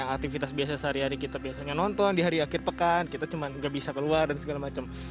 aktivitas biasa sehari hari kita biasanya nonton di hari akhir pekan kita cuma nggak bisa keluar dan segala macam